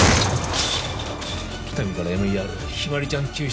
喜多見からＭＥＲ日葵ちゃん救出